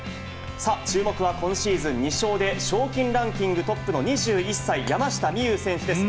さあ、注目は今シーズン２勝で賞金ランキングトップの２１歳、山下美夢有選手です。